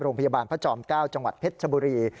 โรงพยาบาลพระจอม๙จังหวัดเพชรชบุรี